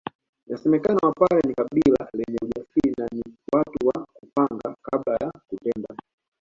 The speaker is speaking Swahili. Inasemekana Wapare ni kabila lenye ujasiri na ni watu wa kupanga kabla ya kutenda